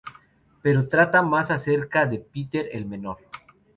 Pero trata más acerca de Peter, el menor.